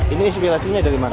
ini inspirasinya dari mana